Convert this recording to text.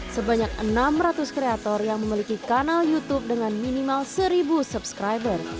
sebanyak enam ratus kreator yang memiliki kanal youtube dengan minimal seribu subscriber